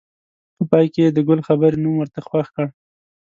په پای کې یې د ګل خبرې نوم ورته خوښ کړ.